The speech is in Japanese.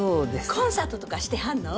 コンサートとかしてはんの？